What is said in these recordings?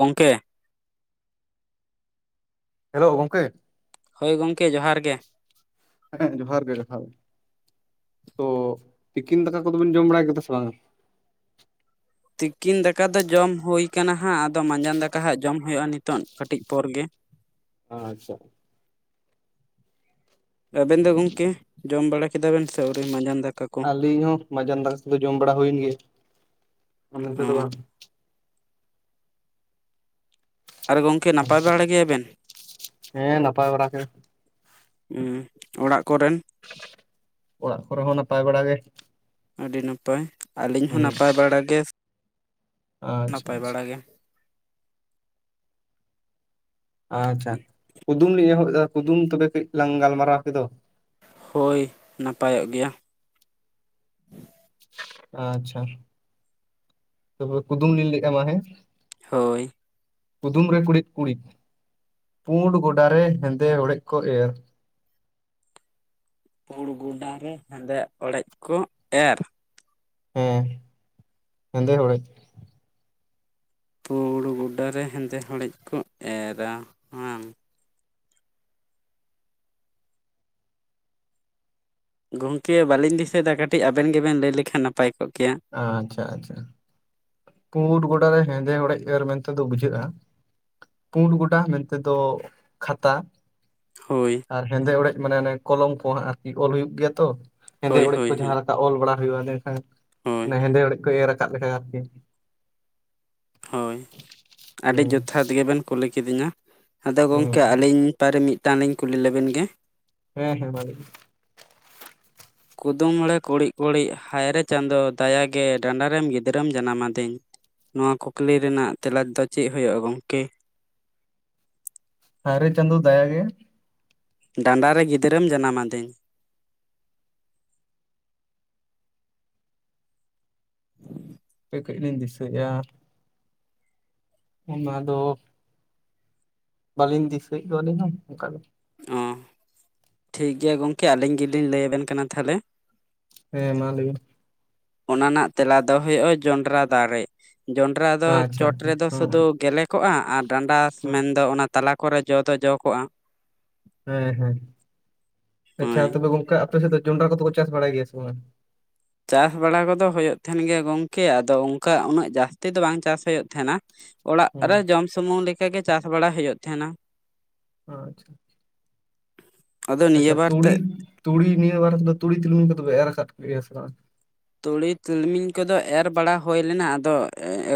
ᱜᱚᱝᱠᱮ ᱦᱮᱞᱳ ᱜᱚᱢᱠᱮ ᱦᱳᱭ ᱜᱚᱢᱠᱮ ᱡᱚᱦᱟᱨ ᱜᱮ ᱦᱮᱸ ᱡᱚᱦᱟᱨ ᱜᱮ ᱡᱚᱦᱟᱨ, ᱛᱚ ᱛᱤᱠᱤᱱ ᱫᱟᱠᱟ ᱠᱚᱫᱚᱵᱮᱱ ᱡᱚᱢ ᱵᱟᱲᱟᱭ ᱠᱮᱫᱟ ᱥᱮ ᱵᱟᱝᱟ? ᱛᱤᱠᱤᱱ ᱫᱟᱠᱟ ᱫᱚ ᱡᱚᱢ ᱦᱩ ᱟᱠᱟᱱᱟ ᱦᱟᱸᱜ ᱟᱫᱚ ᱢᱟᱸᱡᱟᱱ ᱫᱟᱠᱟ ᱦᱟᱸᱜ ᱡᱚᱢ ᱦᱩᱭᱩᱜᱼᱟ ᱱᱤᱛᱚᱜ ᱠᱟᱹᱴᱤᱡ ᱯᱚᱨ ᱜᱮ ᱟᱪᱪᱷᱟ ᱟᱵᱮᱱ ᱫᱚ ᱜᱚᱝᱠᱮ ᱡᱚᱢ ᱵᱟᱲᱟ ᱠᱮᱫᱟ ᱵᱮᱱ ᱥᱮ ᱟᱹᱣᱨᱤ ᱢᱟᱸᱡᱟᱱ ᱫᱟᱠᱟ ᱠᱚ ᱟᱹᱞᱤᱧ ᱦᱚᱸ ᱢᱟᱡᱟᱱ ᱫᱟᱛ ᱫᱚ ᱡᱚᱢ ᱵᱟᱲᱟ ᱦᱩᱭᱮᱱ ᱜᱮᱭᱟ ᱢᱮᱱ ᱚ ᱛᱮᱫᱚ ᱵᱟᱝ ᱟᱨ ᱜᱚᱝᱠᱮ ᱱᱟᱯᱟᱭ ᱟᱪᱪᱷᱟ, ᱵᱟᱲᱟ ᱜᱮᱭᱟ ᱵᱮᱱ? ᱦᱮᱸ ᱱᱟᱯᱟᱭ ᱵᱟᱲᱟ ᱜᱮ ᱦᱩ ᱚᱲᱟᱜ ᱠᱚᱨᱮᱱ ᱚᱲᱟᱜ ᱠᱚᱨᱮ ᱦᱚᱸ ᱱᱟᱯᱟᱭ ᱵᱟᱲᱟᱜᱮ ᱟᱹᱰᱤ ᱱᱟᱯᱟᱭ ᱟᱹᱞᱤᱧ ᱦᱚᱸ ᱱᱟᱯᱟᱭ ᱵᱟᱲᱟ ᱜᱮ, ᱟᱪᱪᱷᱟ ᱱᱟᱯᱟᱭ ᱟᱪᱪᱷᱟ ᱵᱟᱲᱟ ᱜᱮ ᱟᱪᱪᱷᱟ ᱠᱩᱫᱩᱢ ᱞᱤᱧ ᱮᱦᱚᱵ ᱫᱟ ᱠᱩᱫᱩᱢ ᱛᱚᱵᱮ ᱠᱟᱹᱡ ᱞᱟᱝ ᱜᱟᱞᱢᱟᱨᱟᱣ ᱠᱮᱫᱚ ᱦᱳᱭ ᱱᱟᱯᱟᱭᱚᱜ ᱜᱮᱭᱟ ᱟᱪᱪᱷᱟ ᱛᱟᱯᱚᱨᱮ ᱠᱩᱫᱩᱢ ᱞᱤᱧ ᱞᱮᱫᱼᱟ ᱢᱟ ᱦᱮᱸ ᱦᱳᱭ ᱠᱩᱫᱩᱢ ᱨᱮ ᱠᱩᱬᱤᱫ ᱠᱩᱲᱤᱫ ᱯᱩᱸᱰ ᱜᱚᱰᱟᱨ ᱨᱮ ᱦᱮᱸᱫᱮ ᱚᱲᱮᱡ ᱠᱚ ᱮᱨ ᱯᱩᱲ ᱜᱚᱰᱟ ᱨᱮ ᱦᱮᱸᱫᱮ ᱦᱚᱲᱮᱡ ᱠᱚ ᱮᱨᱟ ᱦᱮᱸ ᱦᱮᱱᱫᱮ [unintelligible] ᱯᱩᱲ ᱜᱚᱰᱟᱨᱮ ᱦᱮᱸᱫᱮ ᱦᱚᱲᱮᱡ ᱠᱚ ᱮᱨᱟ ᱦᱟᱝ ᱜᱚᱝᱠᱮ ᱵᱟᱹᱞᱤᱧ ᱫᱤᱥᱟᱹᱭᱮᱫᱟ ᱠᱟᱹᱴᱤᱡ ᱟᱵᱮᱱ ᱜᱮᱵᱮᱱ ᱞᱟᱹᱭ ᱞᱮᱠᱷᱟᱱ ᱱᱟᱯᱟᱭ ᱠᱚᱜ ᱠᱮᱭᱟ ᱟᱪᱪᱷᱟ ᱟᱪᱪᱷᱟ ᱯᱩᱸᱰ ᱜᱚᱰᱟ ᱨᱮ ᱦᱮᱸᱫᱮ ᱦᱚᱲᱮᱡ ᱮᱨ ᱢᱮᱱᱛᱮᱫᱚ ᱵᱩᱡᱷᱟᱹᱜᱼᱟ ᱯᱩᱸᱰ ᱜᱚᱴᱰᱟ ᱢᱮᱱᱛᱮᱫ ᱫᱚ ᱠᱷᱟᱛᱟ ᱾ ᱦᱳᱭ ᱟᱨ ᱦᱮᱸᱫᱮ ᱦᱚᱲᱮᱡ ᱢᱟᱱᱮ ᱠᱚᱞᱚᱢ ᱠᱚ ᱟᱨᱠᱤ ᱚᱞ ᱦᱩᱭᱩᱜ ᱜᱮᱭᱟ ᱛᱚ ᱦᱮᱸᱫᱮ ᱦᱳᱭ ᱦᱚᱲᱮᱡ ᱦᱳᱭ ᱠᱚ ᱦᱳᱭ ᱡᱟᱦᱟᱸ ᱮᱴᱟᱜ ᱚᱞ ᱵᱟᱲᱟ ᱦᱩᱭᱩᱜᱼᱟ ᱦᱳᱭ ᱮᱠᱷᱟᱱ ᱦᱮᱸᱫᱮ ᱦᱚᱲᱮᱡ ᱠᱚ ᱮᱨ ᱟᱠᱟᱫ ᱞᱮᱠᱟ ᱟᱨᱠᱤ ᱦᱳᱭ ᱟᱹᱰᱤ ᱦᱩᱸ ᱡᱚᱛᱷᱟᱛ ᱜᱮᱵᱮᱱ ᱠᱩᱞᱤ ᱠᱤᱫᱤᱧᱟ ᱟᱫᱚ ᱦᱩᱸ ᱜᱚᱝᱠᱮ ᱟᱹᱞᱤᱧ ᱯᱟᱨᱤ ᱢᱤᱫᱴᱟᱝ ᱞᱤᱧ ᱠᱩᱞᱤ ᱞᱮᱵᱮᱱ ᱜᱮ ᱦᱮᱸ ᱦᱮᱸ [unintelligible] ᱠᱩᱫᱩᱢᱬᱮ ᱠᱩᱲᱤᱫ ᱠᱩᱲᱤᱫ ᱦᱟᱭᱨᱮ ᱪᱟᱸᱫᱳ ᱫᱟᱭᱟᱜᱮ ᱰᱟᱸᱰᱟᱨ ᱨᱮᱢ ᱜᱤᱫᱽᱨᱟᱹᱢ ᱡᱟᱱᱟᱢ ᱟᱫᱤᱧ ᱱᱚᱶᱟ ᱠᱩᱠᱞᱤ ᱨᱮᱱᱟᱜ ᱛᱮᱞᱟᱡ ᱫᱚ ᱪᱮᱫ ᱦᱩᱭᱩᱜᱼᱟ ᱜᱚᱝᱠᱮ? ᱦᱟᱭ ᱨᱮ ᱪᱟᱸᱫᱚ ᱫᱟᱭᱟ ᱜᱮ ᱰᱟᱸᱰᱟᱨ ᱨᱮ ᱜᱤᱫᱽᱨᱟᱹᱢ ᱡᱟᱱᱟᱢ ᱟᱫᱤᱧ [inaudible] ᱦᱟᱯᱮ ᱠᱟᱹᱡ ᱞᱤᱧ ᱫᱤᱥᱟᱹᱭᱮᱫᱼᱟ ᱚᱱᱟ ᱫᱚ ᱵᱟᱹᱞᱤᱧ ᱫᱤᱥᱟᱹᱭᱮᱫ ᱫᱚ ᱟᱹᱞᱤᱧ ᱦᱚᱸ ᱚᱱᱠᱟᱜᱮ ᱚᱸ ᱴᱷᱤᱠ ᱜᱮᱭᱟ ᱜᱚᱢᱠᱮ ᱟᱹᱞᱤᱧ ᱜᱮᱞᱤᱧ ᱞᱟᱹᱭᱟᱵᱮᱱ ᱠᱟᱱᱟ ᱛᱟᱦᱚᱞᱮ ᱦᱮᱸ ᱢᱟ ᱞᱟᱹᱭ ᱢᱮ ᱚᱱᱟ ᱨᱮᱱᱟᱜ ᱛᱮᱞᱟ ᱫᱚ ᱦᱩᱭᱩᱜᱼᱟ ᱡᱚᱱᱰᱨᱟ ᱫᱟᱨᱮ ᱡᱚᱱᱰᱨᱟ ᱫᱚ ᱟᱪᱪᱷᱟ ᱪᱚᱴ ᱟᱪᱪᱷᱟ ᱨᱮᱫᱚ ᱦᱚᱸ ᱥᱩᱫᱷᱩ ᱜᱮᱞᱮ ᱠᱚᱜᱼᱟ ᱟᱨ ᱰᱟᱸᱰᱟ ᱢᱮᱱᱫᱚ ᱚᱱᱟ ᱛᱟᱞᱟ ᱠᱚᱨᱮ ᱡᱚ ᱫᱚ ᱡᱚ ᱠᱚᱜᱼᱟ ᱦᱮᱸ ᱦᱮᱸ ᱦᱳᱭ ᱟᱪᱪᱷᱟ ᱛᱚᱵᱮ ᱜᱚᱝᱠᱮ ᱟᱯᱮ ᱥᱮᱜ ᱫᱚ ᱡᱚᱱᱰᱨᱟ ᱠᱚᱫᱚ ᱠᱚ ᱪᱟᱥ ᱵᱟᱲᱟᱭ ᱜᱮᱭᱟ ᱥᱮ ᱵᱟᱝ? ᱪᱟᱥ ᱵᱟᱲᱟ ᱠᱚᱫᱚ ᱦᱚᱭᱚᱜ ᱛᱟᱦᱮᱱ ᱜᱮᱭᱟ ᱜᱚᱝᱠᱮ, ᱟᱫᱚ ᱚᱱᱠᱟ ᱩᱱᱟᱹᱜ ᱡᱟᱥᱛᱤ ᱫᱚ ᱵᱟᱝ ᱪᱟᱥ ᱦᱩᱭᱩᱜ ᱛᱟᱦᱮᱱᱟ᱾ ᱚᱲᱟᱜ ᱦᱚᱸ ᱨᱮ ᱡᱚᱢ ᱥᱚᱢᱩᱝ ᱞᱮᱠᱟᱜᱮ ᱪᱟᱥ ᱵᱟᱲᱟ ᱦᱚᱭᱚᱜ ᱛᱟᱦᱮᱸᱱᱟ ᱾ ᱟᱪᱷᱟᱻᱪᱷᱟ [inaudible] ᱟᱫᱚ ᱱᱤᱭᱟᱹ ᱟᱪᱷᱟ ᱵᱟᱨ ᱛᱮ ᱛᱩᱲᱤ, ᱛᱩᱲᱤ ᱱᱤᱭᱟᱹ ᱵᱟᱨ ᱫᱚ ᱛᱩᱲᱤ ᱛᱤᱞᱩᱢᱤ ᱠᱚᱫᱚ ᱯᱮ ᱮᱨ ᱟᱠᱟᱫ ᱜᱮᱭᱟ ᱥᱮ ᱵᱟᱝ? ᱛᱩᱲᱤ ᱛᱤᱞᱢᱤᱧ ᱠᱚᱫᱚ ᱮᱨ ᱵᱟᱲᱟ ᱦᱚᱭ ᱞᱮᱱᱟ ᱟᱫᱚ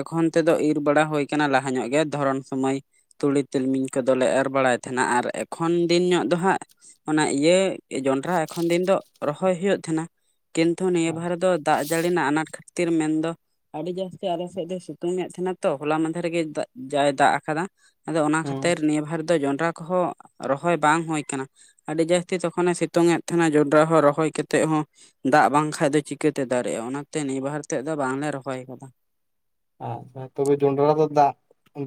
ᱮᱠᱷᱚᱱ ᱛᱮᱫᱚ ᱤᱨ ᱵᱟᱲᱟ ᱦᱚᱭ [inaudible] [unintelligible] ᱞᱟᱦᱟ ᱧᱚᱜ ᱜᱮ ᱫᱷᱚᱨᱚᱱ ᱥᱚᱢᱚᱭ [unintelligible] ᱛᱩᱲᱤ ᱛᱤᱞᱢᱤᱧ ᱠᱚᱫᱚᱞᱮ ᱮᱨ ᱵᱟᱲᱟᱭ ᱛᱟᱦᱮᱸᱱᱟ ᱟᱨ ᱮᱠᱷᱚᱱ ᱫᱤᱱ ᱧᱚᱜ ᱫᱚ ᱦᱟᱸᱜ, ᱚᱱᱟ ᱤᱭᱟᱹ ᱡᱚᱱᱰᱨᱟ ᱮᱠᱷᱚᱱ ᱫᱤᱱ ᱫᱚ ᱨᱚᱦᱚᱭ ᱦᱩᱭᱩᱜ ᱛᱟᱦᱮᱸᱱᱟ ᱠᱤᱱᱛᱩ ᱱᱤᱭᱟᱹ ᱵᱷᱟᱨ [unintelligible] ᱫᱟᱜ ᱡᱟᱹᱲᱤ ᱱᱟᱜ ᱟᱱᱟᱴ ᱠᱷᱟᱹᱛᱤᱨ ᱢᱮᱱ ᱫᱚ ᱟᱹᱰᱤ ᱡᱟᱹᱥᱛᱤ ᱟᱞᱮ ᱥᱮᱜ ᱫᱚᱭ ᱥᱤᱛᱩᱝ ᱮᱫ ᱛᱟᱦᱮᱸᱱᱟ ᱛᱚ ᱦᱚᱞᱟ ᱢᱟᱦᱫᱮᱨ ᱜᱮ ᱡᱟᱭ ᱫᱟᱜ ᱟᱠᱟᱫᱟ᱾ ᱟᱫᱚ ᱚᱱᱟ ᱦᱩᱸ ᱠᱷᱟᱹᱛᱤᱨ ᱱᱤᱭᱟᱹ ᱵᱟᱨ ᱫᱚ ᱡᱚᱸᱰᱨᱟ ᱠᱚᱦᱚᱸ ᱨᱚᱦᱚᱭ ᱵᱟᱝ ᱦᱩᱭ ᱠᱟᱱᱟ᱾ ᱟᱹᱰᱤ ᱡᱟᱹᱥᱛᱤ ᱛᱚᱠᱷᱚᱱᱮ ᱥᱤᱛᱩᱝ ᱮᱫ ᱛᱟᱦᱮᱸᱱᱟ ᱡᱚᱸᱰᱨᱟ ᱦᱚᱸ ᱨᱚᱦᱚᱭ ᱠᱟᱛᱮᱫ ᱦᱚᱸ ᱫᱟᱜ ᱵᱟᱝᱠᱷᱟᱱ ᱫᱚ ᱪᱤᱠᱟᱹᱛᱮ ᱫᱟᱨᱮᱜᱼᱟ ᱚᱱᱟᱛᱮ ᱱᱤᱭᱟᱹᱵᱟᱨ ᱛᱮᱜ ᱫᱚ ᱵᱟᱝᱞᱮ ᱨᱚᱦᱚᱭ ᱠᱟᱫᱟ᱾ ᱟᱪᱪᱷᱟ ᱛᱚᱵᱮ ᱡᱚᱱᱰᱨᱟ ᱫᱚ ᱫᱟᱜ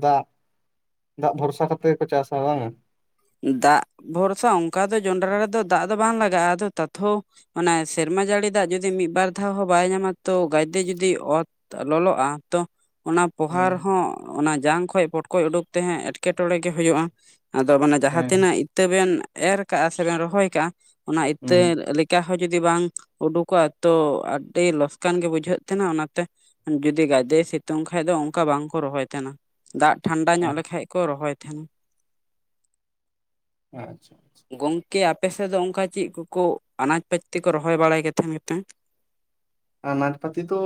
ᱫᱟᱜ ᱫᱟᱜ ᱵᱷᱚᱨᱥᱟ ᱠᱟᱛᱮ ᱜᱮᱯᱮ ᱪᱟᱥᱟ ᱵᱟᱝᱼᱟ? ᱫᱟᱜ ᱵᱷᱚᱨᱥᱟ ᱚᱱᱠᱟ ᱫᱚ ᱡᱚᱱᱰᱨᱟ ᱨᱮᱫᱚ ᱫᱟᱜ ᱫᱚ ᱵᱟᱝ ᱞᱟᱜᱟᱜᱼᱟ᱾ ᱟᱫᱚ ᱛᱟᱛᱷᱚ ᱚᱱᱟ ᱥᱮᱨᱢᱟ ᱡᱟᱹᱲᱤ ᱫᱟᱜ ᱡᱩᱫᱤ ᱢᱤᱫ ᱵᱟᱨ ᱫᱷᱟᱣ ᱦᱚᱸ ᱵᱟᱭ ᱧᱟᱢᱟ ᱛᱚ ᱜᱟᱡᱫᱮ ᱡᱩᱫᱤ ᱚᱛ ᱞᱚᱞᱚᱜ-ᱟ ᱛᱚ ᱚᱱᱟ ᱯᱚᱦᱟ ᱦᱮᱸ ᱨᱮ ᱦᱚᱸ ᱚᱱᱟ ᱡᱟᱝ ᱠᱷᱚᱡ ᱯᱚᱴᱠᱚᱡ ᱩᱰᱩᱠ ᱛᱮ ᱮᱴᱠᱮᱴᱚᱲᱮ ᱜᱮ ᱦᱩᱭᱩᱜ-ᱟ, ᱟᱫᱚ ᱢᱟᱱᱮ ᱡᱟᱦᱟᱸ ᱦᱮᱸ ᱛᱤᱱᱟᱹᱜ ᱤᱛᱟᱹ ᱵᱮᱱ ᱮᱨ ᱠᱟᱜ-ᱟ ᱥᱮ ᱵᱮᱱ ᱨᱚᱦᱚᱭ ᱠᱟᱜ-ᱟ ᱚᱱᱟ ᱤᱛᱟᱹ ᱦᱩᱸ ᱠᱟ ᱦᱚᱸ ᱡᱩᱫᱤ ᱵᱟᱝ ᱩᱰᱩᱠᱚᱜ-ᱟ ᱛᱚ ᱟᱹᱰᱤ ᱞᱚᱥᱠᱟᱱ ᱜᱮ ᱵᱩᱡᱷᱟᱹᱜ ᱛᱟᱦᱮᱱᱟ ᱚᱱᱟ ᱛᱮ ᱡᱩᱫᱤ ᱜᱟᱡᱫᱮᱭ ᱥᱤᱛᱩᱝ ᱠᱷᱟᱱ ᱫᱚ ᱚᱱᱠᱟ ᱵᱟᱝ ᱠᱚ ᱨᱚᱦᱚᱭ ᱛᱟᱦᱮᱱᱟ᱾ ᱫᱟᱜ ᱴᱷᱟᱱᱰᱟ ᱧᱚᱜ ᱞᱮᱠᱷᱟᱡ ᱠᱚ ᱨᱚᱦᱚᱭ ᱛᱟᱦᱮᱱᱟ᱾ ᱟᱪᱪᱷᱟ ᱟᱪᱪᱷᱟ ᱜᱚᱝᱠᱮ ᱟᱯᱮ ᱥᱮᱫ ᱫᱚ ᱚᱱᱠᱟ ᱪᱮᱫ ᱠᱚᱠᱚ ᱟᱱᱟᱡ ᱯᱟᱹᱛᱤ ᱠᱚ ᱨᱚᱦᱚᱭ ᱵᱟᱲᱟᱭ ᱜᱮ ᱛᱟᱦᱮᱱ ᱜᱮᱯᱮ ᱟᱱᱟᱪ ᱯᱟᱛᱤ ᱫᱚ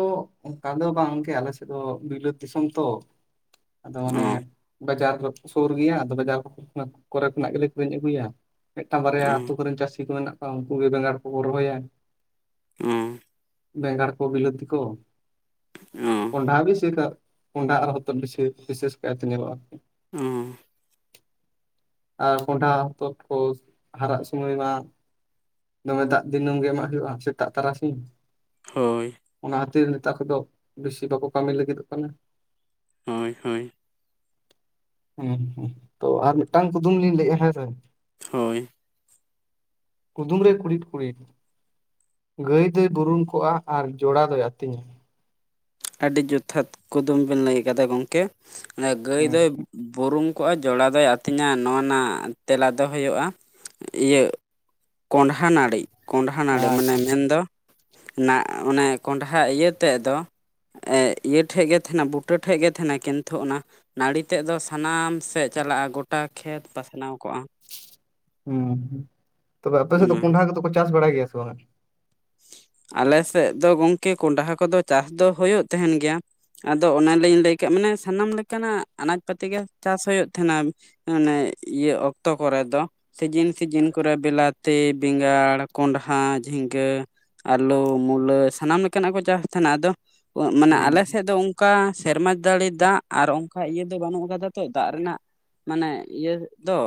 ᱚᱱᱠᱟ ᱫᱚ ᱵᱟᱝ ᱜᱮ ᱟᱞᱮ ᱥᱮᱫ ᱫᱚ ᱵᱤᱞᱟᱹᱛ ᱫᱤᱥᱚᱢ ᱛᱚ᱾ ᱟᱫᱚ ᱚᱱᱮ ᱚ ᱵᱟᱡᱟᱨ ᱥᱩᱨ ᱜᱮᱭᱟ ᱟᱫᱚ ᱵᱟᱡᱟᱨ ᱠᱚ ᱨᱮ ᱠᱷᱚᱱᱟᱜ ᱜᱮᱞᱮ ᱠᱤᱨᱤᱧ ᱟᱹᱜᱩᱭᱟ ᱢᱤᱫᱴᱟᱝ ᱵᱟᱨᱭᱟ ᱚ ᱟᱹᱛᱩ ᱠᱚᱨᱮᱱ ᱪᱟᱹᱥᱤ ᱠᱚ ᱢᱮᱱᱟᱜ ᱠᱚᱣᱟ ᱩᱱᱠᱩ ᱜᱮ ᱵᱮᱸᱜᱟᱲ ᱠᱚᱠᱚ ᱨᱚᱦᱚᱭᱟ ᱾ ᱚ ᱵᱮᱸᱜᱟᱲ ᱠᱚ ᱵᱤᱞᱟᱹᱛᱤ ᱠᱚ ᱚ ᱠᱚᱱᱰᱦᱟ ᱵᱤ ᱥᱮᱠᱟᱜ ᱠᱚᱱᱰᱷᱟ ᱟᱨ ᱦᱚᱛᱚᱫ ᱵᱤᱥᱮᱥ ᱵᱤᱥᱮᱥ ᱠᱟᱭᱛᱮ ᱧᱮᱞᱚᱜ-ᱟ ᱚ ᱟᱨ ᱠᱚᱸᱰᱷᱟ ᱦᱚᱛᱚᱫ ᱠᱚ ᱦᱟᱨᱟᱜ ᱥᱩᱢᱟᱹᱭ ᱢᱟ ᱫᱚᱢᱮ ᱫᱟᱜ ᱫᱤᱱᱹᱢ ᱜᱮ ᱮᱢᱟᱜ ᱦᱩᱭᱩᱜ-ᱟ ᱥᱮᱛᱟᱜ ᱛᱟᱨᱟ ᱥᱤᱧ ᱦᱳᱭ ᱚᱱᱟ ᱠᱷᱟᱹᱛᱤᱨ ᱱᱮᱛᱟᱨ ᱠᱚᱫᱚ ᱵᱮᱥᱤ ᱵᱟᱠᱚ ᱠᱟᱹᱢᱤ ᱞᱟᱹᱜᱤᱫᱚᱜ ᱠᱟᱱᱟ ᱦᱳᱭ ᱦᱳᱭ ᱦᱩᱸ ᱦᱩᱸ ᱛᱚ ᱟᱨ ᱢᱤᱫᱴᱟᱝ ᱠᱩᱫᱩᱢ ᱞᱤᱧ ᱞᱟᱹᱭ ᱮᱜᱟ ᱦᱮᱸ ᱥᱮ ᱦᱳᱭ ᱠᱩᱫᱩᱢ ᱨᱮ ᱠᱩᱲᱤᱴ ᱠᱩᱲᱤᱴ ᱜᱟᱹᱭ ᱫᱚᱭ ᱵᱩᱨᱩᱢ ᱠᱚᱜ-ᱟ ᱟᱨ ᱡᱚᱲᱟ ᱫᱚᱭ ᱟᱹᱛᱤᱧᱟ ᱟᱹᱰᱤ ᱡᱚᱛᱷᱟᱛ ᱠᱩᱫᱩᱢ ᱵᱤᱱ ᱞᱟᱹᱭ ᱟᱠᱟᱫᱟ ᱜᱚᱢᱠᱮ ᱜᱟᱹᱭ ᱦᱮᱸ ᱫᱚᱭ ᱵᱩᱨᱩᱢ ᱠᱚᱜ-ᱟ ᱡᱚᱲᱟ ᱫᱚᱭ ᱟᱹᱛᱤᱧᱟ ᱱᱚᱣᱟ ᱨᱮᱱᱟᱜ ᱛᱮᱞᱟ ᱫᱚ ᱦᱩᱭᱩᱜ-ᱟ ᱤᱭᱟᱹ ᱠᱚᱸᱰᱷᱟ ᱱᱟᱹᱲᱤ ᱠᱚᱸᱰᱷᱟ ᱱᱟᱹᱲᱤ ᱢᱟᱱᱮ ᱟᱪᱪᱷᱟ ᱢᱮᱱ ᱫᱚ ᱱᱟ ᱚᱱᱮ ᱠᱚᱸᱰᱦᱷᱟ ᱤᱭᱟᱹ ᱛᱮᱫ ᱫᱚ ᱤᱭᱟᱹ ᱴᱷᱮᱡ ᱜᱮ ᱛᱟᱦᱮᱱᱟ ᱵᱩᱴᱟᱹ ᱴᱷᱮᱡ ᱜᱮ ᱛᱟᱦᱮᱱᱟ ᱠᱤᱱᱛᱩ ᱚᱱᱟ ᱱᱟᱹᱲᱤ ᱛᱮᱫ ᱫᱚ ᱥᱟᱱᱟᱢ ᱥᱮᱫ ᱪᱟᱞᱟᱜ-ᱟ ᱜᱚᱴᱟ ᱠᱷᱮᱛ ᱯᱟᱥᱱᱟᱣ ᱠᱚᱜ-ᱟ ᱦᱩᱸ ᱛᱚᱵᱮ ᱟᱯᱮ ᱥᱮᱫ ᱫᱚ ᱚᱱᱟᱜᱮ ᱠᱚᱸᱰᱷᱟ ᱠᱚᱫᱚ ᱠᱚ ᱪᱟᱥ ᱵᱟᱲᱟᱭ ᱜᱮᱭᱟ ᱥᱮ ᱵᱟᱝ ᱟᱞᱮ ᱥᱮᱫ ᱫᱚ ᱜᱚᱢᱠᱮ ᱠᱚᱸᱰᱷᱟ ᱠᱚᱫᱚ ᱪᱟᱥ ᱫᱚ ᱦᱩᱭᱩᱜ ᱛᱟᱦᱮᱱ ᱜᱮᱭᱟ᱾ ᱟᱫᱚ ᱚᱱᱟ ᱞᱤᱧ ᱞᱟᱹᱭ ᱠᱮᱜ ᱢᱟᱱᱮ ᱥᱟᱱᱟᱢ ᱞᱮᱠᱟᱱᱟᱜ ᱟᱱᱟᱡ ᱯᱟᱹᱛᱤ ᱜᱮ ᱪᱟᱥ ᱦᱩᱭᱩᱜ ᱛᱟᱦᱮᱸᱱᱟ ᱟᱱᱮ ᱤᱭᱟᱹ ᱚᱠᱛᱚ ᱠᱚᱨᱮ ᱫᱚ ᱥᱤᱡᱤᱱ ᱥᱤᱡᱤᱱ ᱠᱚᱨᱮ ᱵᱞᱟᱛᱤ ᱵᱮᱸᱜᱟᱲ ᱠᱚᱸᱰᱷᱟ ᱡᱷᱤᱸᱜᱟᱹ ᱟᱹᱞᱩ ᱢᱩᱞᱟᱹ ᱥᱟᱱᱟᱢ ᱞᱮᱠᱟ ᱱᱟᱜ ᱠᱚ ᱪᱟᱥ ᱛᱟᱦᱮᱱᱟ ᱟᱫᱚ ᱢᱟᱱᱮ ᱦᱩᱸ ᱟᱞᱮ ᱥᱮᱫ ᱫᱚ ᱚᱱᱠᱟ ᱥᱮᱨᱢᱟ ᱫᱟᱲᱮ ᱫᱟᱜ ᱟᱨ ᱚᱱᱠᱟ ᱤᱭᱟᱹ ᱫᱚ ᱵᱟᱹᱱᱩᱜ ᱟᱠᱟᱫᱟ ᱛᱚ ᱫᱟᱜ ᱨᱮᱱᱟᱜ ᱢᱟᱱᱮ ᱤᱭᱟᱹ ᱫᱚ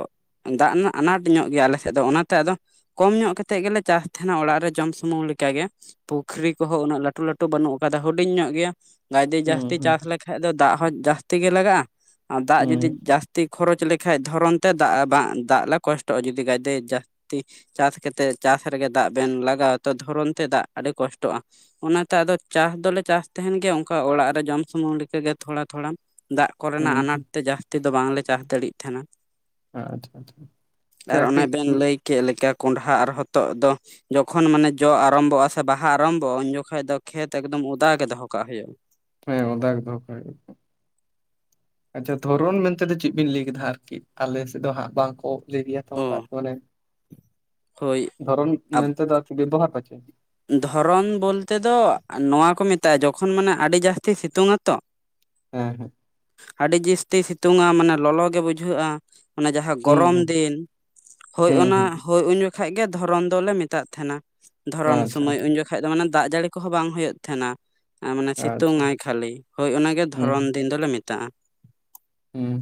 ᱫᱟᱜ ᱨᱮᱱᱟᱜ ᱟᱱᱟᱴ ᱧᱚᱜ ᱜᱮᱭᱟ ᱟᱞᱮ ᱥᱮᱫ ᱫᱚ ᱚᱱᱟ ᱛᱮ ᱟᱫᱚ ᱠᱚᱢ ᱧᱚᱜ ᱠᱟᱛᱮᱫ ᱜᱮᱞᱮ ᱪᱟᱥ ᱛᱮᱦᱮᱱᱟ ᱚᱲᱟᱜ ᱨᱮ ᱡᱚᱢ ᱥᱚ ᱥᱩᱢᱩᱝ ᱞᱮᱠᱟ ᱜᱮ ᱯᱩᱠᱷᱨᱤ ᱠᱚᱦᱚᱸ ᱩᱱᱟᱹᱜ ᱞᱟᱹᱴᱩ ᱞᱟᱹᱴᱩ ᱵᱟᱹᱱᱩᱜ ᱠᱟᱫᱟ ᱦᱩᱰᱤᱧ ᱧᱚᱜ ᱜᱮᱭᱟ ᱜᱟᱡᱫᱚ ᱦᱩᱸ ᱡᱟᱹᱥᱛᱤ ᱦᱩᱸ ᱪᱟᱥ ᱞᱮᱠᱷᱟᱡ ᱫᱚ ᱫᱟᱜ ᱦᱚᱸ ᱡᱟᱹᱥᱛᱤ ᱜᱮ ᱞᱟᱜᱟᱜ-ᱟ ᱟᱨ ᱫᱟᱜ ᱦᱩᱸ ᱡᱩᱫᱤ ᱡᱟᱹᱥᱛᱤ ᱠᱷᱚᱨᱚᱪ ᱞᱮᱠᱷᱟ ᱫᱷᱚᱨᱚᱱ ᱛᱮ ᱫᱟᱜ ᱵᱟᱝ ᱫᱟᱜ ᱞᱮ ᱠᱚᱥᱴᱚᱜ-ᱟ ᱡᱩᱫᱤ ᱫᱚᱢᱮ ᱡᱟᱹᱥᱛᱤ ᱪᱟᱥ ᱠᱟᱛᱮ ᱪᱟᱥ ᱨᱮᱜᱮ ᱫᱟᱜ ᱵᱮᱱ ᱞᱟᱜᱟᱣ ᱟ ᱛᱚ ᱫᱷᱚᱨᱚᱱ ᱛᱮ ᱫᱟᱜ ᱟᱹᱰᱤ ᱠᱚᱥᱴᱚᱜ-ᱟ᱾ ᱚᱱᱟ ᱛᱮ ᱟᱫᱚ ᱪᱟᱥ ᱫᱚᱞᱮ ᱪᱟᱥ ᱛᱟᱦᱮᱱ ᱜᱮᱭᱟ ᱚᱱᱠᱟ ᱚᱲᱟᱜ ᱨᱮ ᱡᱚᱢ ᱥᱩᱢᱩᱝ ᱞᱮᱠᱟ ᱜᱮ ᱛᱷᱚᱲᱟ ᱛᱷᱚᱲᱟ ᱫᱟᱜ ᱠᱚ ᱦᱩᱸ ᱨᱮᱱᱟᱜ ᱟᱱᱟᱴ ᱦᱩᱸ ᱛᱮ ᱡᱟᱹᱥᱛᱤ ᱫᱚ ᱵᱟᱝ ᱞᱮ ᱪᱟᱥ ᱫᱟᱲᱮᱭᱟᱜ ᱛᱟᱦᱮᱱᱟ᱾ ᱟᱪᱪᱷᱟ ᱟᱪᱪᱷᱟ ᱟᱨ ᱟᱪᱪᱷᱟ ᱚᱱᱟ ᱠᱟᱹᱡ ᱵᱮᱱ ᱞᱟᱹᱭ ᱠᱮᱜ ᱞᱮᱠᱟ ᱠᱚᱸᱰᱷᱟ ᱟᱨ ᱦᱚᱛᱚᱜ ᱫᱚ ᱡᱚᱠᱷᱚᱱ ᱢᱟᱱᱮ ᱡᱚ ᱟᱨᱚᱢᱵᱚᱜᱼᱟ ᱥᱮ ᱵᱟᱦᱟ ᱟᱨᱟᱢᱵᱚᱜᱼᱟ ᱩᱱ ᱡᱚᱠᱷᱚᱱ ᱫᱚ ᱠᱷᱮᱛ ᱮᱠᱫᱚᱢ ᱚᱫᱟ ᱜᱮ ᱫᱚᱦᱚ ᱠᱟᱜ ᱦᱩᱭᱩᱜᱼᱟ ᱦᱮᱸ ᱚᱫᱟ ᱜᱮ ᱫᱚᱦᱚ ᱠᱟᱜ ᱦᱩᱭᱩᱜᱼᱟ ᱟᱪᱪᱷᱟ ᱫᱷᱚᱨᱚᱱ ᱢᱮᱱᱛᱮᱫᱚ ᱪᱮᱫ ᱵᱤᱱ ᱞᱟᱹᱭ ᱠᱮᱫᱟ ᱟᱨᱠᱤ ᱟᱞᱮᱥᱮᱫ ᱫᱚ ᱦᱟᱸᱜ ᱵᱟᱝᱠᱚ ᱚ [inaudible] ᱦᱳᱭ ᱫᱷᱚᱨᱚᱱ ᱢᱮᱱᱛᱮ ᱫᱚ ᱵᱮᱵᱚᱦᱟᱨ ᱯᱟᱪᱮ ᱫᱷᱚᱨᱚᱱ ᱵᱚᱞᱛᱮ ᱫᱚ ᱱᱚᱣᱟ ᱠᱚ ᱢᱮᱛᱟᱜᱼᱟ ᱡᱚᱠᱷᱚᱱ ᱢᱟᱱᱮ ᱟᱹᱰᱤ ᱡᱟᱹᱥᱛᱤ ᱥᱤᱛᱩᱝ ᱟᱛᱚ ᱦᱮᱸ ᱦᱮᱸ ᱟᱹᱰᱤ ᱡᱟᱹᱥᱛᱤ ᱥᱤᱛᱩᱝᱼᱟ ᱢᱟᱱᱮ ᱞᱚᱞᱚ ᱜᱮ ᱵᱩᱡᱷᱟᱹᱜᱼᱟ ᱚᱱᱮ ᱡᱟᱦᱟᱸ ᱦᱩᱸ ᱜᱚᱨᱚᱢ ᱦᱩᱸ ᱫᱤᱱ ᱦᱳᱭ ᱦᱩᱸ ᱚᱱᱟ ᱦᱩᱸ ᱦᱳᱭ ᱩᱱ ᱡᱚᱠᱷᱟᱡ ᱜᱮ ᱫᱷᱚᱨᱚᱱ ᱫᱚᱞᱮ ᱢᱮᱛᱟᱜ ᱛᱟᱦᱮᱱᱟ ᱫᱷᱚᱨᱚᱱ ᱟᱪᱪᱷᱟ ᱥᱚᱢᱚᱭ ᱟᱪᱪᱷᱟ ᱩᱱ ᱡᱚᱠᱷᱚᱱ ᱵᱟᱠᱷᱟᱡ ᱫᱚ ᱢᱟᱱᱮ ᱫᱟᱜ ᱡᱟᱹᱲᱤ ᱠᱚᱦᱚᱸ ᱵᱟᱝ ᱦᱩᱭᱩᱜ ᱛᱟᱦᱮᱱᱟ᱾ ᱟᱨ ᱢᱟᱱᱮ ᱥᱤᱛᱩᱝ ᱟᱪᱪᱷᱟ ᱟᱭ ᱠᱷᱟᱹᱞᱤ ᱦᱳᱭ ᱚᱱᱟ ᱜᱮ ᱫᱷᱚᱨᱚᱱ ᱫᱤᱱ ᱫᱚᱞᱮ ᱢᱮᱛᱟᱜ-ᱟ ᱦᱮᱸ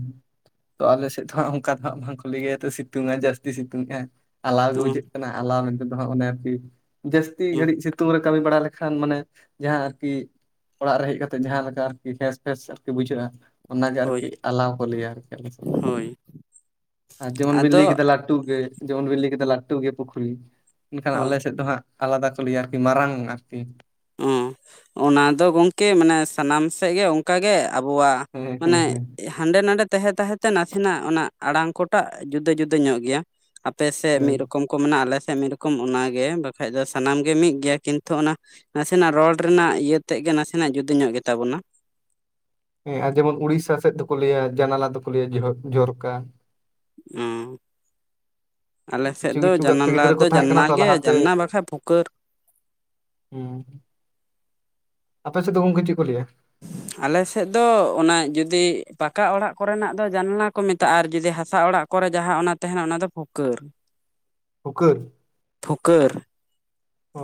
ᱛᱚ ᱟᱞᱮ ᱥᱮᱫ ᱫᱚᱦᱟᱸᱜ ᱚᱱᱠᱟ ᱫᱚ ᱦᱟᱸᱜ ᱵᱟᱝᱠᱩ ᱞᱮᱭᱜᱮᱭᱟ ᱛᱚ ᱥᱤᱛᱩᱝ ᱟᱭ ᱡᱟᱹᱥᱛᱤ ᱥᱤᱛᱩᱝᱜᱼᱟᱭ ᱟᱞᱟᱣ ᱜᱮ ᱵᱩᱡᱷᱟᱹᱜ ᱠᱟᱱᱟ ᱟᱞᱟᱣ ᱢᱮᱱᱛ ᱫᱚ ᱦᱟᱸᱜ ᱚᱱᱮ ᱟᱨᱠᱤ ᱡᱟᱹᱥᱛᱤ ᱜᱷᱟᱹᱲᱤᱡ ᱥᱤᱛᱩᱝ ᱨᱮ ᱠᱟᱹᱢᱤ ᱵᱟᱲᱟ ᱞᱮᱠᱷᱟᱱ ᱢᱟᱱᱮ ᱡᱟᱦᱟᱸ ᱟᱨᱠᱤ ᱚᱲᱟᱜ ᱨᱮ ᱦᱮᱡ ᱠᱟᱛᱮ ᱡᱟᱦᱟᱸ ᱞᱮᱠᱟ ᱟᱨᱠᱤ ᱯᱷᱮᱥ ᱯᱷᱮᱥ ᱟᱨᱠᱤ ᱵᱩᱡᱷᱟᱹᱜᱼᱟ ᱚᱱᱟ ᱦᱳᱭ ᱟᱞᱟᱣ ᱠᱚ ᱞᱟᱹᱭᱟ ᱟᱨᱠᱤ ᱟᱨ ᱦᱳᱭ ᱡᱮᱢᱚᱱ ᱵᱮᱤᱱ ᱞᱟᱹᱭ ᱟᱫᱚ ᱠᱮᱫᱟ ᱞᱟᱹᱴᱩ ᱜᱮ ᱡᱮᱢᱚᱱ ᱵᱤᱱ ᱞᱮᱭ ᱠᱮᱫᱟ ᱞᱟᱹᱴᱩ ᱜᱮ ᱯᱩᱠᱷᱨᱤ ᱮᱱᱠᱷᱟᱱ ᱟᱞᱮ ᱦᱳᱭ ᱥᱮᱫ ᱫᱚ ᱦᱟᱸᱜ ᱛᱟᱞᱟᱫᱟ ᱠᱚ ᱞᱮᱭᱟ ᱟᱨᱠᱤ ᱢᱟᱨᱟᱝ ᱟᱨᱠᱤ ᱚ ᱚᱱᱟ ᱫᱚ ᱜᱚᱝᱠᱮ ᱢᱟᱱᱮ ᱥᱟᱱᱟᱢ ᱥᱮᱫ ᱜᱮ ᱚᱱᱠᱟ ᱜᱮ ᱟᱵᱚᱣᱟᱜ ᱦᱮᱸ ᱦᱮᱸ ᱢᱟᱱᱮ ᱦᱮᱸ ᱦᱟᱸᱰᱮ ᱱᱟᱰᱮ ᱛᱟᱦᱮᱸ ᱛᱟᱦᱮᱸᱛᱮ ᱱᱟᱥᱮᱱᱟᱜ ᱚᱱᱟ ᱟᱲᱟᱝ ᱠᱚᱴᱟᱜ ᱡᱩᱫᱟᱹ ᱡᱩᱫᱟᱹ ᱧᱚᱜ ᱜᱮᱭᱟ ᱟᱯᱮ ᱥᱮᱫ ᱦᱮᱸ ᱢᱤᱫ ᱨᱚᱠᱚᱢ ᱠᱚ ᱢᱮᱱᱟᱜᱼᱟ ᱟᱞᱮ ᱥᱮᱫ ᱢᱤᱫ ᱨᱚᱠᱚᱢ ᱚᱱᱟᱜᱮ ᱵᱟᱠᱷᱟᱡ ᱫᱚ ᱥᱟᱱᱟᱢ ᱜᱮ ᱢᱤᱫ ᱜᱮᱭᱟ ᱠᱤᱱᱛᱩ ᱚᱱᱟ ᱱᱟᱥᱮᱱᱟᱜ ᱨᱚᱲ ᱨᱮᱱᱟᱜ ᱤᱭᱟᱹ ᱛᱮᱫ ᱜᱮ ᱱᱟᱥᱮᱱᱟᱜ ᱡᱩᱫᱟᱹ ᱧᱚᱜ ᱜᱮᱛᱟᱵᱚᱱᱟ ᱦᱮᱸ ᱟᱨ ᱡᱮᱢᱚᱱ ᱩᱲᱤᱥᱥᱟ ᱥᱮᱫ ᱫᱚᱠᱚ ᱞᱟᱹᱭᱟ ᱡᱟᱱᱟᱞᱟ ᱫᱚᱠᱚ ᱞᱟᱹᱭᱟ ᱡᱚᱨᱠᱟ ᱚᱼ ᱟᱞᱮᱥᱮᱫ ᱠᱤᱪᱷᱩ ᱫᱚ ᱠᱤᱪᱷᱩ ᱜᱟᱛᱮ ᱡᱟᱱᱟᱞᱟ ᱜᱤᱫᱽᱨᱟᱹ ᱠᱚ ᱫᱚ ᱛᱟᱦᱮᱸ ᱠᱟᱱᱟ ᱡᱟᱱᱱᱟ ᱛᱚ ᱜᱮ ᱞᱟᱦᱟᱛᱮ ᱡᱟᱱᱱᱟ ᱵᱟᱠᱷᱟᱡ ᱯᱷᱩᱠᱟᱹᱨ ᱦᱮᱸ ᱟᱯᱮ ᱥᱮᱫ ᱫᱚ ᱜᱚᱢᱠᱮ ᱪᱮᱫ ᱠᱚ ᱞᱟᱹᱭᱟ ᱟᱞᱮ ᱥᱮᱫ ᱫᱚ ᱚᱱᱟ ᱡᱩᱫᱤ ᱯᱟᱠᱟ ᱚᱲᱟᱜ ᱠᱚᱨᱮᱱᱟᱜ ᱫᱚ ᱡᱟᱱᱟᱞᱟ ᱠᱚ ᱢᱮᱛᱟᱜᱼᱟ ᱟᱨ ᱡᱩᱫᱤ ᱦᱟᱥᱟ ᱚᱲᱟᱜ ᱠᱚᱨᱮ ᱡᱟᱦᱟᱸ ᱚᱱᱟ ᱛᱟᱦᱮᱱᱟ ᱚᱱᱟ ᱫᱚ ᱯᱩᱠᱟᱹᱨ ᱳᱩᱠᱟᱹ ᱯᱷᱩᱠᱟᱹᱨ ᱚ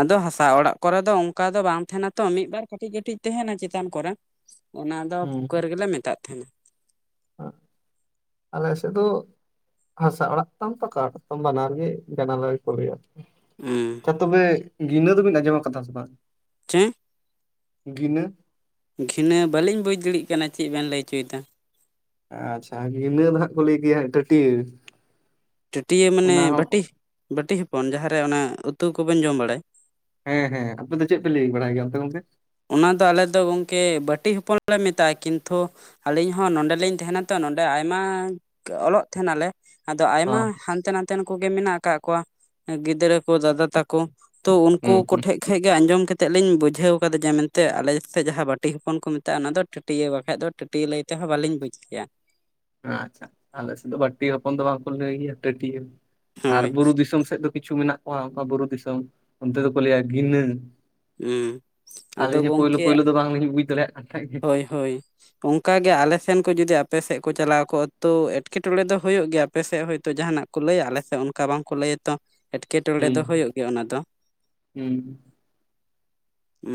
ᱟᱫᱚ ᱦᱟᱥᱟ ᱚᱲᱟᱜ ᱠᱚᱨᱮ ᱫᱚ ᱚᱱᱠᱟ ᱫᱚ ᱵᱟᱝ ᱛᱟᱦᱮᱸᱱᱟ ᱛᱚ ᱢᱤᱫᱵᱟᱨ ᱠᱟᱹᱴᱤᱡ ᱠᱟᱹᱴᱤᱡ ᱛᱟᱦᱮᱱᱟ ᱪᱮᱛᱟᱱ ᱠᱚᱨᱮ ᱚᱱᱟ ᱫᱚ ᱦᱩᱸ ᱯᱷᱩᱠᱟᱹᱨ ᱜᱮᱞᱮ ᱢᱮᱛᱟᱜ ᱛᱟᱦᱮᱱᱟ ᱾ ᱟᱞᱮ ᱥᱮᱫ ᱫᱚ ᱦᱟᱥᱟ ᱚᱲᱟᱜ ᱛᱟᱢ ᱯᱟᱠᱟ ᱚᱲᱟᱜ ᱛᱟᱢ ᱵᱟᱱᱟᱨ ᱜᱮ ᱡᱟᱱᱟᱞᱟ ᱜᱮᱠᱚ ᱞᱮᱭᱟ ᱦᱸ ᱛᱚᱵᱮ ᱜᱤᱱᱟᱹ ᱫᱚᱵᱤᱱ ᱟᱸᱡᱚᱢ ᱟᱠᱟᱫᱟ ᱥᱮ ᱵᱟᱝ ᱪᱮᱸ ᱜᱤᱱᱟᱹ ᱜᱷᱤᱱᱟᱹ ᱵᱟᱹᱞᱤᱧ ᱵᱩᱡᱽ ᱫᱟᱲᱮᱭᱟᱜ ᱠᱟᱱᱟ ᱪᱮᱫ ᱵᱮᱱ ᱞᱟᱹᱭ ᱚᱪᱚᱭᱮᱫᱟ ᱟᱪᱪᱷᱟ ᱤᱱᱟᱹ ᱫᱚ ᱦᱟᱸᱜ ᱠᱚ ᱞᱟᱹᱭ ᱜᱮᱭᱟ ᱦᱟᱜ ᱴᱟᱹᱴᱭᱟᱹ ᱪᱟᱹᱴᱤᱭᱟᱹ ᱢᱟᱱᱮ ᱚᱱᱟ ᱦᱚᱸ ᱵᱟᱴᱤ ᱵᱟᱹᱴᱤ ᱦᱚᱯᱚᱱ ᱡᱟᱦᱟᱸᱨᱮ ᱚᱱᱟ ᱩᱛᱩ ᱠᱚᱵᱮᱱ ᱡᱚᱢ ᱵᱟᱲᱟᱭ ᱦᱮᱸ ᱦᱮᱸ ᱟᱯᱮ ᱫᱚ ᱪᱮᱫ ᱯᱮ ᱞᱟᱹᱭ ᱵᱟᱲᱟᱭ ᱜᱮᱭᱟ ᱚᱱᱛᱮ ᱜᱚᱝᱠᱮ ᱚᱱᱟ ᱫᱚ ᱟᱞᱮ ᱫᱚ ᱜᱚᱝᱠᱮ ᱵᱟᱹᱴᱤ ᱦᱚᱯᱚᱱ ᱞᱮ ᱢᱮᱛᱟᱜᱼᱟ ᱠᱤᱱᱛᱩ ᱟᱞᱤᱧ ᱦᱚ ᱱᱚᱰᱮᱞᱤᱧ ᱛᱟᱦᱮᱱᱟᱛᱚ ᱱᱚᱰᱮ ᱟᱭᱢᱟ ᱚᱞᱚᱜ ᱛᱟᱦᱮᱱᱟᱞᱮ ᱟᱫᱚ ᱟᱭᱢᱟ ᱦᱚᱸ ᱦᱟᱱᱛᱮ ᱱᱟᱛᱮᱱ ᱠᱚᱜᱮ ᱢᱮᱱᱟᱜ ᱠᱟᱜ ᱠᱚᱣᱟ ᱜᱤᱫᱽᱨᱟᱹ ᱠᱚ ᱫᱟᱫᱟ ᱛᱟᱠᱚ ᱛᱚ ᱩᱱᱠᱩ ᱦᱩᱸ ᱦᱩᱸ ᱠᱚᱴᱷᱮᱱ ᱠᱷᱚᱡ ᱜᱮ ᱟᱸᱡᱚᱢ ᱠᱟᱛᱮᱜ ᱞᱤᱧ ᱵᱩᱡᱷᱟᱹᱣ ᱚᱱᱠᱟ ᱡᱮ ᱢᱮᱱᱛᱮ ᱟᱞᱮᱮᱫ ᱡᱟᱦᱟᱸ ᱵᱟᱴᱤ ᱦᱚᱯᱚᱱ ᱠᱚ ᱢᱮᱛᱟᱜᱼᱟ ᱚᱱᱟᱫᱚ ᱴᱟᱹᱴᱭᱟᱹ ᱵᱟᱠᱷᱟᱡ ᱫᱚ ᱴᱟᱹᱴᱭᱟᱹ ᱞᱟᱹᱭ ᱛᱮᱦᱚᱸ ᱵᱟᱞᱤᱧ ᱵᱩᱡᱽ ᱠᱮᱭᱟ ᱟᱪᱪᱷᱟ ᱟᱞᱮᱥᱮᱫ ᱫᱚ ᱵᱟᱹᱴᱤ ᱦᱚᱯᱚᱱ ᱫᱚ ᱵᱟᱝᱠᱚ ᱞᱟᱹᱭ ᱜᱮᱭᱟ ᱴᱟᱹᱴᱭᱟᱹ ᱟᱨ ᱦᱳᱭ ᱵᱩᱨᱩ ᱫᱤᱥᱚᱢ ᱥᱮᱫ ᱫᱚ ᱠᱤᱪᱷᱩ ᱢᱮᱱᱟᱜ ᱠᱚᱣᱟ ᱵᱩᱨᱩ ᱫᱤᱥᱚᱢ, ᱚᱱᱛᱮ ᱫᱚᱠᱚ ᱞᱟᱹᱭᱟ ᱜᱤᱱᱟᱹ᱾ ᱦᱩᱸ ᱟᱫᱚ ᱟᱹᱞᱤᱧ ᱦᱚᱸ ᱯᱳᱭᱞᱳ ᱯᱳᱭᱞᱳ ᱫᱚ ᱵᱟᱝᱞᱤᱧ ᱵᱩᱡᱽ ᱫᱟᱲᱮᱭᱟᱜ ᱠᱟᱱᱟ᱾ ᱮ ᱦᱳᱭ ᱚᱝᱠᱟᱜᱮ ᱟᱞᱮᱥᱮᱱ ᱠᱚ ᱡᱩᱫᱤ ᱟᱯᱮᱥᱮᱫ ᱠᱚ ᱪᱟᱞᱟᱣ ᱠᱚᱜ-ᱟ ᱛᱚ ᱮᱴᱠᱮᱴᱚᱬᱮ ᱫᱚ ᱦᱳᱭᱳᱜ ᱜᱮᱭᱟ ᱟᱯᱮᱥᱮᱫ ᱦᱚᱭᱛᱚ ᱡᱟᱦᱟᱱᱟᱜ ᱞᱟᱹᱭᱟ ᱟᱞᱮ ᱥᱮᱜ ᱚᱱᱠᱟ ᱵᱟᱝᱠᱚ ᱞᱟᱹᱭᱟ ᱛᱚ? ᱮᱴᱠᱮᱴᱚᱬᱮ ᱦᱩᱸ ᱫᱚ ᱦᱳᱭᱳᱜ ᱜᱮᱭᱟ ᱚᱱᱟ ᱫᱚ, ᱦᱩᱸ ᱩ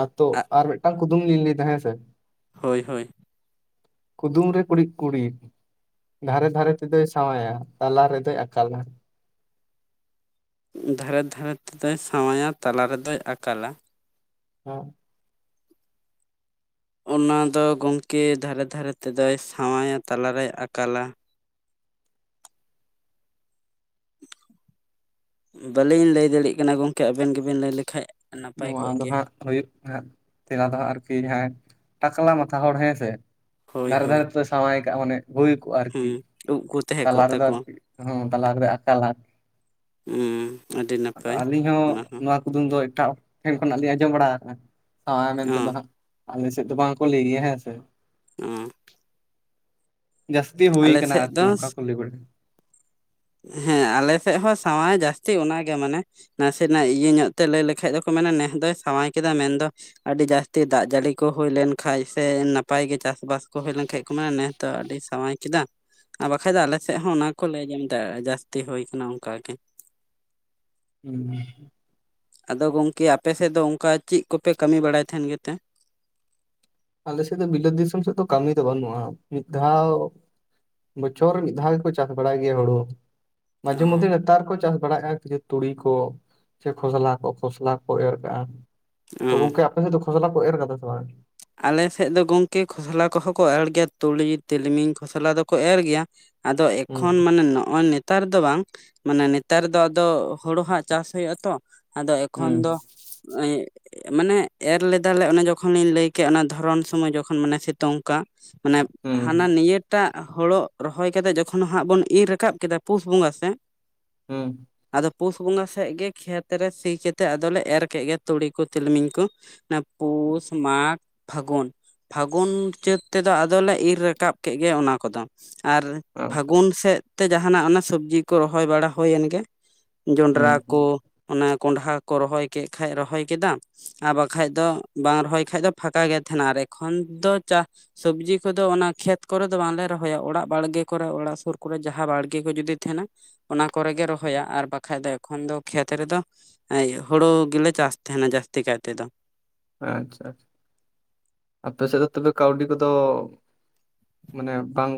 ᱟᱻᱛᱳ ᱟᱨ ᱢᱤᱫᱴᱟᱝ ᱠᱩᱫᱩᱢ ᱞᱤᱧ ᱞᱟᱹᱭᱫᱟ ᱦᱮᱸ ᱥᱮ᱾ ᱦᱳᱭ ᱦᱳᱭ ᱠᱩᱫᱩᱢ ᱨᱮ ᱠᱩᱲᱤᱫ ᱠᱩᱲᱤᱫ, ᱫᱷᱟᱨᱮ ᱫᱷᱟᱨᱮ ᱛᱮᱫᱚᱭ ᱥᱟᱶᱟᱭᱟ, ᱛᱟᱞᱟ ᱨᱮᱫᱚᱭ ᱟᱠᱟᱞᱟ? ᱫᱷᱟᱨᱮ ᱫᱷᱟᱨᱮ ᱛᱮᱫᱚᱭ ᱥᱟᱶᱟᱭᱟ ᱛᱟᱞᱟ ᱨᱮᱫᱚᱭ ᱟᱠᱟᱞᱟ ᱦᱩᱸ ᱚᱱᱟ ᱫᱚ ᱜᱚᱝᱠᱮ ᱫᱷᱟᱨᱮ ᱫᱷᱟᱨᱮ ᱛᱮᱫᱚᱭ ᱥᱟᱶᱟᱭᱟ ᱛᱟᱞᱟᱨᱮᱭ ᱟᱠᱟᱞᱟ ᱵᱟᱹᱞᱤᱧ ᱞᱟᱹᱭ ᱫᱟᱲᱮᱭᱮᱜ ᱠᱟᱱᱟ ᱜᱚᱝᱠᱮ ᱟᱵᱮᱱ ᱜᱮᱵᱮᱱ ᱞᱟᱹᱭ ᱞᱮᱠᱷᱟᱡ ᱾ ᱱᱚᱣᱟ ᱫᱚ ᱦᱟᱸᱜ ᱦᱩᱭᱩᱜ ᱠᱟᱱᱟ ᱛᱮᱞᱟ ᱫᱚ ᱟᱨᱠᱤ ᱡᱟᱦᱟᱸᱭ ᱴᱟᱠᱞᱟ ᱢᱟᱛᱷᱟ ᱦᱚᱲ ᱦᱮᱸ ᱥᱮ ᱦᱳᱭ ᱫᱷᱟᱨᱮ ᱦᱳᱭ ᱫᱷᱟᱨᱮ ᱥᱟᱶᱟᱭ ᱠᱟᱜ ᱢᱟᱱᱮ ᱦᱳᱭ ᱠᱚᱜ-ᱟ ᱟᱨᱠᱤ ᱦᱮᱸ ᱩᱵ ᱠᱚ ᱛᱟᱦᱮᱸ ᱛᱟᱞᱟ ᱠᱚᱜ ᱨᱮᱫᱚ ᱛᱟᱠᱚᱣᱟ ᱟᱨᱠᱤ ᱦᱚᱸ ᱛᱟᱞᱟ ᱨᱮᱫᱚ ᱟᱠᱟᱞᱟ᱾ ᱦᱩᱸ ᱟᱹᱰᱤ ᱱᱟᱯᱟᱭ ᱟᱹᱞᱤᱧ ᱦᱚᱸ ᱚᱱᱟ ᱱᱚᱣᱟᱠ ᱠᱩᱫᱩᱢ ᱫᱚ ᱮᱴᱟᱜ ᱴᱷᱮᱱ ᱠᱷᱚᱱᱟᱜ ᱞᱤᱧ ᱟᱸᱡᱚᱢ ᱵᱟᱲᱟ ᱟᱠᱟᱱᱟ ᱥᱟᱶ ᱢᱮᱱᱛᱮ ᱚ ᱫᱚ ᱦᱟᱸᱜ ᱟᱞᱮ ᱥᱮᱫ ᱫᱚ ᱵᱟᱝ ᱠᱚ ᱞᱟᱹᱭᱮ ᱦᱮᱸ ᱥᱮ᱾ ᱚ ᱡᱟᱹᱥᱛᱤ ᱦᱩᱭ ᱟᱞᱮ ᱠᱟᱱᱟ ᱥᱮᱫ ᱟᱨᱠᱤ ᱫᱚ ᱚᱱᱠᱟ ᱠᱚ ᱞᱟᱹᱭ ᱵᱟᱲᱟᱭᱟ᱾ ᱦᱮᱸ ᱟᱞᱮᱥᱮᱜ ᱦᱚᱸ ᱥᱟᱶᱟᱭ ᱡᱟᱹᱥᱛᱤ ᱚᱱᱟᱜᱮ ᱢᱟᱱᱮ ᱾ ᱱᱟᱥᱮᱱᱟᱜ ᱤᱭᱟᱹ ᱧᱚᱜ ᱛᱮ ᱞᱟᱹᱭ ᱞᱮᱠᱷᱟᱡ ᱫᱚᱠᱚ ᱢᱮᱱᱟ ᱱᱮ ᱫᱚᱭ ᱥᱟᱣᱟᱭ ᱠᱮᱫᱟ ᱢᱮᱱᱫᱚ ᱟᱹᱰᱤ ᱡᱟᱹᱥᱛᱤ ᱫᱟᱜ ᱡᱟᱹᱲᱤ ᱠᱚ ᱦᱳᱭ ᱞᱮᱱᱠᱷᱟᱡ ᱥᱮ ᱱᱟᱯᱟᱭ ᱜᱮ ᱪᱟᱥᱵᱟᱥ ᱠᱚ ᱦᱳᱭ ᱞᱮᱱᱠᱷᱟᱡ ᱠᱚ ᱢᱮᱱᱟ ᱱᱮ ᱛᱚ ᱟᱹᱰᱤ ᱥᱟᱶᱟᱭ ᱠᱮᱫᱟ ᱟᱨ ᱵᱟᱠᱷᱟᱡ ᱫᱚ ᱟᱞᱮᱥᱮᱜ ᱦᱚᱸ ᱚᱱᱟ ᱜᱮᱠᱚ ᱞᱟᱹᱭᱟ ᱡᱮᱢ ᱛᱟᱜ ᱡᱟᱹᱥᱛᱤ ᱦᱳᱭ ᱠᱟᱱᱟ ᱚᱱᱠᱟᱜ ᱜᱮ ᱾ ᱦᱩᱸ ᱟᱫᱚ ᱜᱚᱝᱠᱮ ᱟᱯᱮᱥᱮᱫ ᱫᱚ ᱚᱝᱠᱟ ᱪᱮᱜ ᱠᱚᱯᱮ ᱠᱟᱹᱢᱤ ᱵᱟᱲᱟᱭ ᱛᱟᱦᱮᱱ ᱜᱮᱛᱮ? ᱟᱞᱮ ᱥᱮᱫ ᱫᱚ ᱵᱤᱞᱟᱹᱛ ᱫᱤᱥᱚᱢ ᱥᱮᱜ ᱫᱚ ᱠᱟᱹᱢᱤ ᱫᱚ ᱵᱟᱹᱱᱩᱜᱼᱟ ᱢᱤᱫ ᱫᱷᱟᱣ ᱵᱚᱪᱷᱚᱨ ᱢᱤᱫ ᱫᱷᱟᱣ ᱜᱮᱠᱚ ᱪᱟᱥ ᱵᱟᱲᱟᱭ ᱜᱮᱭᱟ ᱦᱳᱲᱳ ᱚ ᱢᱟᱡᱷᱮ ᱢᱚᱫᱽᱫᱮ ᱱᱮᱛᱟᱨ ᱠᱚ ᱪᱟᱥ ᱵᱟᱲᱟᱭᱮᱜ-ᱟ ᱛᱩᱲᱤ ᱠᱚ ᱥᱮ ᱠᱷᱚᱥᱞᱟ ᱠᱚ ᱠᱷᱚᱥᱞᱟ ᱠᱚ ᱮᱨ ᱠᱟᱜ-ᱟ ᱛᱚ ᱜᱚᱝᱠᱮ ᱟᱯ ᱯᱮ ᱫᱚ ᱠᱷᱚᱥᱚᱞᱟ ᱠᱚ ᱮᱨ ᱠᱟᱫᱟ ᱥᱮ ᱵᱟᱝ? ᱟᱞᱮ ᱥᱮᱜ ᱫᱚ ᱜᱚᱝᱠᱮ ᱠᱷᱚᱥᱞᱟ ᱠᱚᱦᱚᱸ ᱠᱚ ᱮᱲ ᱜᱮᱭᱟ ᱛᱩᱲᱤ ᱛᱤᱞᱢᱤᱧ ᱠᱷᱚᱥᱞᱟ ᱫᱚᱠᱚ ᱮᱨ ᱜᱮᱭᱟ᱾ ᱟᱫᱚ ᱦᱩᱸ ᱮᱠᱷᱚᱱ ᱢᱟᱱᱮ ᱱᱚᱜᱼᱚᱭ ᱱᱤᱛ ᱛᱟᱨ ᱫᱚ ᱵᱟᱝ ᱢᱟᱱᱮ ᱱᱮᱛᱟᱨ ᱫᱚ ᱟᱫᱚ ᱦᱳᱲᱳ ᱦᱟᱜ ᱪᱟᱥ ᱦᱳᱦᱳᱜ-ᱟ ᱛᱚ ᱟᱫᱚ ᱮᱠᱷᱚᱱ ᱦᱩᱸ ᱫᱚ ᱢᱟᱱᱮ ᱮᱨ ᱞᱮᱫᱟᱞᱮ ᱚᱱᱮ ᱡᱚᱠᱷᱚᱱ ᱞᱤᱧ ᱞᱟᱹᱭ ᱠᱮ ᱚᱱᱟ ᱫᱷᱚᱨᱚᱱ ᱥᱚᱢᱚᱭ ᱡᱚᱠᱷᱚᱱ ᱢᱟᱱᱮ ᱥᱮᱛᱩᱝᱠᱟ ᱢᱟᱱᱮ ᱦᱩᱸ ᱦᱟᱱᱟ ᱱᱤᱭᱟᱹ ᱴᱟᱜ ᱦᱳᱲᱳ ᱨᱚᱦᱚᱭ ᱠᱟᱛᱮᱜ ᱡᱚᱠᱷᱚᱱ ᱦᱟᱸᱜ ᱵᱚᱱ ᱤᱨ ᱨᱟᱠᱟᱵ ᱠᱮᱫᱟ ᱯᱩᱥ ᱵᱚᱸᱜᱟ ᱥᱮᱜ ᱦᱩᱸ ᱟᱫᱚ ᱯᱩᱥ ᱵᱚᱸᱜᱟ ᱥᱮᱜ ᱜᱮ ᱠᱷᱮᱛ ᱨᱮ ᱥᱤ ᱠᱟᱛᱮᱫ ᱟᱫᱚᱞᱮ ᱮᱨ ᱠᱮᱜ ᱜᱮ ᱛᱩᱲᱤ ᱠᱚ, ᱛᱤᱞᱢᱤᱧ ᱠᱚ ᱾ ᱚᱱᱮ ᱯᱩᱥ, ᱢᱟᱜᱽ ᱯᱷᱟᱹᱜᱩᱱ, ᱯᱷᱟᱹᱜᱩᱱ ᱪᱟᱹᱛ ᱛᱮᱫᱚ ᱟᱫᱚᱞᱮ ᱤᱨ ᱨᱟᱠᱟᱵ ᱠᱮᱜ ᱜᱮ ᱚᱱᱟ ᱠᱚᱫᱚ ᱟᱨ ᱟᱪᱪᱷᱟ ᱯᱷᱟᱹᱜᱩᱱ ᱥᱮᱜ ᱛᱮ ᱡᱟᱦᱟᱱᱟᱜ ᱚᱱᱟ ᱥᱚᱵᱽᱡᱤ ᱠᱚ ᱨᱚᱦᱚᱭ ᱵᱟᱲᱟ ᱦᱳᱭᱮᱱ ᱜᱮ ᱦᱩᱸ ᱡᱚᱱᱰᱨᱟ ᱦᱩᱸ ᱠᱚ ᱚᱱᱮ ᱠᱚᱸᱰᱷᱟ ᱠᱚ ᱨᱚᱦᱚᱭ ᱠᱮᱜ ᱠᱷᱟᱡ ᱨᱚᱦᱚᱭ ᱠᱮᱫᱟ ᱟᱨ ᱵᱟᱠᱷᱟᱡ ᱫᱚ ᱵᱟᱝ ᱨᱚᱦᱚᱭ ᱠᱷᱟᱡ ᱫᱚ ᱯᱷᱟᱸᱠᱟ ᱜᱮ ᱛᱟᱦᱮᱱᱟ ᱟᱨ ᱮᱠᱷᱚᱱ ᱫᱚ ᱪᱟᱥ ᱥᱚᱵᱡᱤ ᱠᱚᱫᱚ ᱚᱱᱟ ᱠᱷᱮᱛ ᱠᱚᱨᱮ ᱫᱚ ᱵᱟᱝᱞᱮ ᱨᱚᱦᱚᱭᱟ ᱚᱲᱟᱜ ᱵᱟᱲᱜᱮ ᱠᱚᱨᱮ ᱚᱲᱟᱜ ᱥᱩᱨ ᱠᱚᱨᱮ ᱡᱟᱦᱟᱸ ᱵᱟᱲᱜᱮ ᱠᱚ ᱡᱩᱫᱤ ᱛᱟᱦᱮᱱᱟ ᱚᱱᱟ ᱠᱚᱨᱮᱜᱮ ᱨᱚᱦᱚᱭᱟ ᱟᱨ ᱵᱟᱠᱷᱟᱡ ᱫᱚ ᱮᱠᱷᱚᱱ ᱫᱚ ᱠᱷᱮᱛ ᱨᱮᱫᱚ ᱮ ᱦᱳᱲᱳ ᱜᱮᱞᱮ ᱪᱟᱥ ᱛᱟᱦᱮᱱᱟ ᱡᱟᱹᱥᱛᱤ ᱠᱟᱭ ᱛᱮᱫᱚ ᱾ ᱟᱪᱪᱷᱟ ᱟᱪᱪᱷᱟ ᱟᱯᱮ ᱥᱮᱫ ᱫᱚ ᱛᱚᱵᱮ ᱠᱟᱹᱣᱰᱤ ᱠᱚᱫᱚ ᱢᱟᱱᱮ ᱵᱟᱝ